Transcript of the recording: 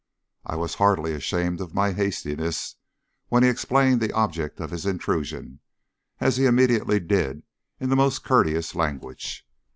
I was heartily ashamed of my hastiness when he explained the object of his intrusion, as he immediately did in the most courteous language.